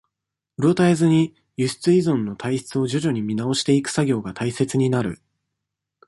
うろたえずに、輸出依存の体質を徐々に見直していく作業が大切になる。